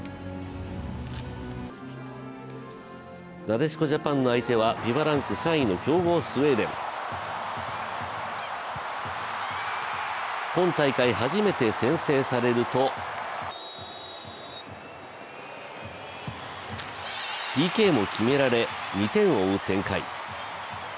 なでしこジャパンの相手はＦＩＦＡランク３位の強豪・スウェーデン今大会初めて先制されるとＰＫも決められ、２点を追う展開。